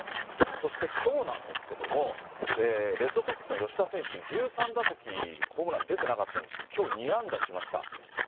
そしてきょうなんですけども、レッドソックスの吉田選手、１３打席ホームラン出てなかったんですが、きょう、２安打しました。